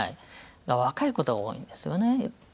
が若いことが多いんですよね。